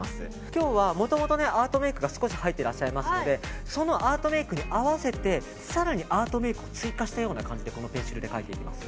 今日はもともとアートメイクが少し入っていらっしゃるのでそのアートメイクに合わせて更にアートメイクに追加したような感じでこのペンシルで描いていきます。